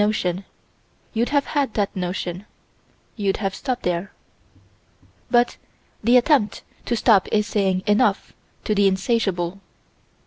You'd have had that notion: you'd have stopped there. But the attempt to stop is saying "enough" to the insatiable.